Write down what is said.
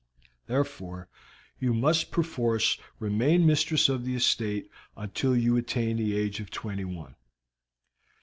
Therefore you must perforce remain mistress of the estate until you attain the age of twenty one.